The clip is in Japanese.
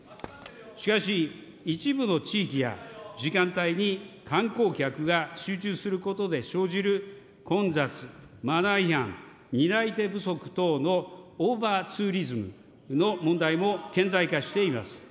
しかし一部の地域や時間帯に観光客が集中することで生じる混雑、マナー違反、担い手不足等のオーバーツーリズムの問題も顕在化しています。